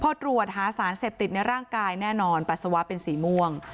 พอตรวจหาสารเสพติดในร่างกายแน่นอนปัสสาวะเป็นสีม่วง